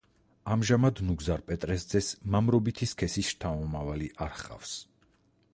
ამჟამად ნუგზარ პეტრეს ძეს მამრობითი სქესის შთამომავალი არ ჰყავს.